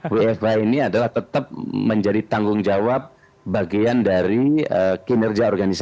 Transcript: wfh ini adalah tetap menjadi tanggung jawab bagian dari kinerja organisasi